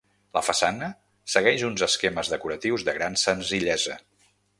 La façana segueix uns esquemes decoratius de gran senzillesa.